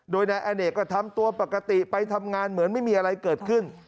โดยนายอเนกก็ทำตัวปกติไปทำงานเหมือนไม่มีอะไรเกิดขึ้น